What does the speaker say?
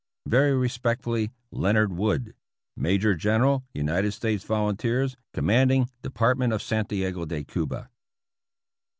Very respectfully, Leonard Wood, Major General, United States Volunteers. Commanding Department of Santiago de Cuba.